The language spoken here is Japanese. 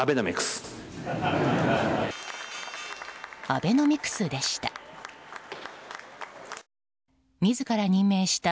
アベノミクスでした。